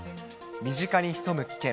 身近に潜む危険。